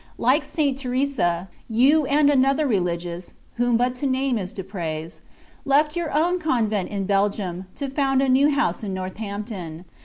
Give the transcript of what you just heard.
like St. Teresa, you and another ReK gious (whom but to name is to praise), left your own convent in Belgium, to found ^ IV a new house in Northampton.